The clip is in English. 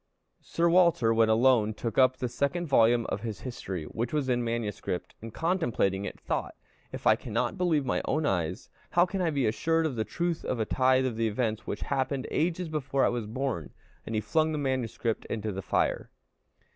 Sir Walter, when alone, took up the second volume of his History, which was in MS., and contemplating it, thought "If I cannot believe my own eyes, how can I be assured of the truth of a tithe of the events which happened ages before I was born?" and he flung the manuscript into the fire.